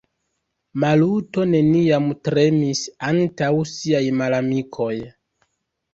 Maluto neniam tremis antaŭ siaj malamikoj.